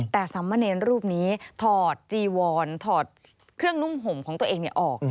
แต่สามเณรรูปนี้ถอดจีวอนถอดเครื่องนุ่มห่มของตัวเองออก